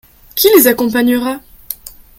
Qui les accompagnera ?